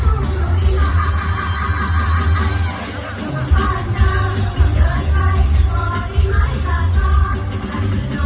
หัวมืดกลุ่มวุ่นวายส่วนหลายใกล้ก่อนได้ไม้หวั่นเวร